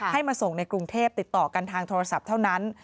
ให้มาส่งในกรุงเทพติดต่อกันทางโทรศัพท์เท่านั้น